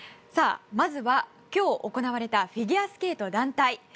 まずは今日行われたフィギュアスケート団体。